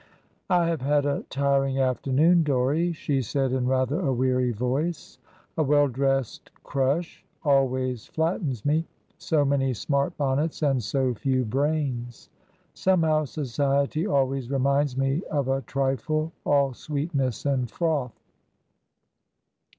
"I have had a tiring afternoon, Dorrie," she said, in rather a weary voice. "A well dressed crush always flattens me so many smart bonnets, and so few brains! Somehow society always reminds me of a trifle, all sweetness and froth."